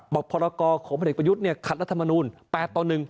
บอกพลของพประยุทธ์เนี่ยขัดรัฐมนูลแปดต่อหนึ่ง